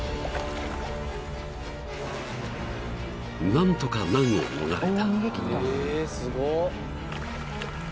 ［何とか難を逃れた］